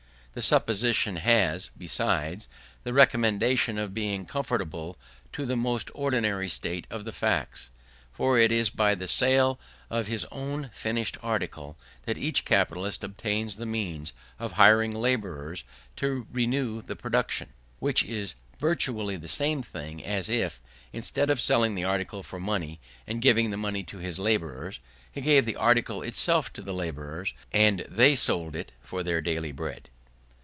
The supposition has, besides, the recommendation of being conformable to the most ordinary state of the facts; for it is by the sale of his own finished article that each capitalist obtains the means of hiring labourers to renew the production; which is virtually the same thing as if, instead of selling the article for money and giving the money to his labourers, he gave the article itself to the labourers, and they sold it for their daily bread.